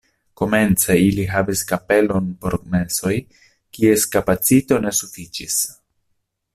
Komence ili havis kapelon por mesoj, kies kapacito ne sufiĉis.